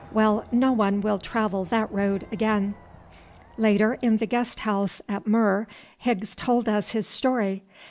Well, no one will travel that road again." Later, in the guest house at Mur, Higgs told us his story.